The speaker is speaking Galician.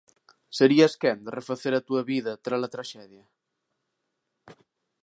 Serías quen de refacer a túa vida tras a traxedia?